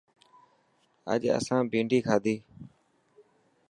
اڄ اسان ڀينڊي کادي.